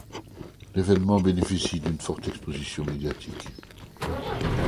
L'événement bénéficie d'une forte exposition médiatique.